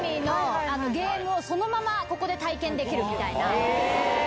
バラエティー番組のゲームをそのままここで体験できるみたいな。